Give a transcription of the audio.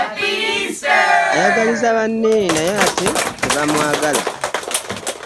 Ayagaliza banne naye ate tebamwagala.